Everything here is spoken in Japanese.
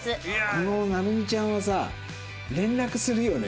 この成美ちゃんはさ連絡するよね。